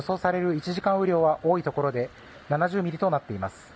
１時間雨量は多いところで７０ミリとなっています。